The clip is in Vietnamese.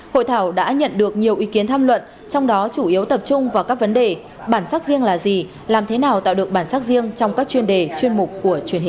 hội thảo đã nhận được nhiều ý kiến tham luận trong đó chủ yếu tập trung vào các vấn đề bản sắc riêng là gì làm thế nào tạo được bản sắc riêng trong các chuyên đề chuyên mục của truyền hình